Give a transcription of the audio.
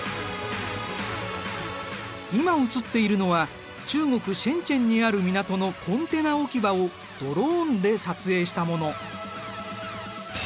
今映っているのは中国深にある港のコンテナ置き場をドローンで撮影したもの。